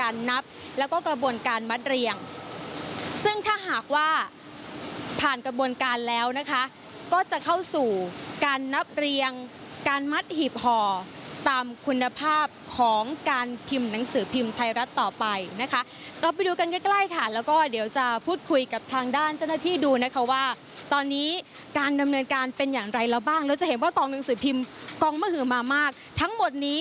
การนับแล้วก็กระบวนการมัดเรียงซึ่งถ้าหากว่าผ่านกระบวนการแล้วนะคะก็จะเข้าสู่การนับเรียงการมัดหีบห่อตามคุณภาพของการพิมพ์หนังสือพิมพ์ไทยรัฐต่อไปนะคะเราไปดูกันใกล้ใกล้ค่ะแล้วก็เดี๋ยวจะพูดคุยกับทางด้านเจ้าหน้าที่ดูนะคะว่าตอนนี้การดำเนินการเป็นอย่างไรเราบ้างเราจะเห็นว่ากองหนังสือพิมพ์กองมหือมามากทั้งหมดนี้